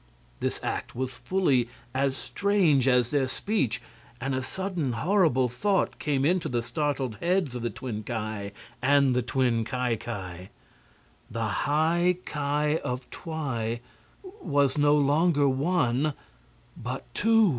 This act was fully as strange as their speech, and a sudden horrible thought came into the startled heads of the twin Ki and the twin Ki Ki: THE HIGH KI OF TWI WAS NO LONGER ONE, BUT TWO.